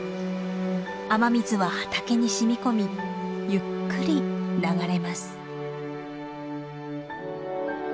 雨水は畑に染み込みゆっくり流れます。